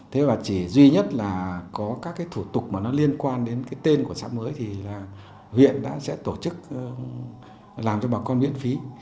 thế và chỉ duy nhất là có các cái thủ tục mà nó liên quan đến cái tên của xã mới thì là huyện đã sẽ tổ chức làm cho bà con miễn phí